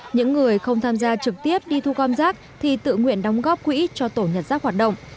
những người không tham gia trực tiếp đi thu gom rác thì tự nguyện đóng góp quỹ cho tổ nhặt rác hoạt động